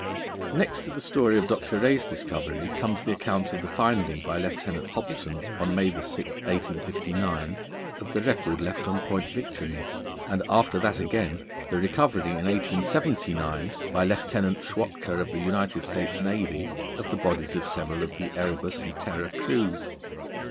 Next to the story of Dr. Rae's discovery comes the account of the finding by Lieutenant Hobson, on May 6, 1859, of the record left on Point Victory, and after that again, the recovery, in 1879, by Lieutenant Schwatka, of the United States Navy, of the bodies of several of the Erebus and Terror crews.